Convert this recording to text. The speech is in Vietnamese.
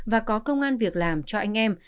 và có công an việc làm cho anh em